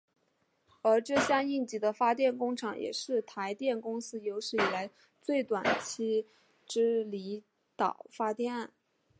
而这项应急的发电工程也是台电公司有史以来最短工期之离岛发电案。